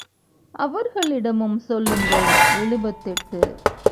அவர்களிடமும் சொல்லுங்கள் எழுபத்தெட்டு.